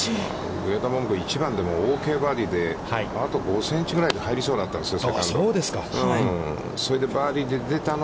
上田桃子、１番でもオーケーバーディーで、あと５センチぐらいで入りそうだったんですよね。